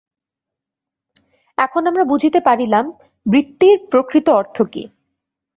এখন আমরা বুঝিতে পারিলাম, বৃত্তির প্রকৃত অর্থ কি।